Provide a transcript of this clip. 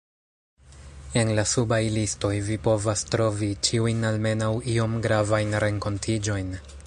En la subaj listoj vi povas trovi ĉiujn almenaŭ iom gravajn renkontiĝojn.